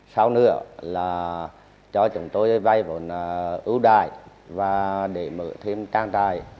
sau nữa là cho chúng tôi vai vốn ưu đài và để mượn thêm trang trại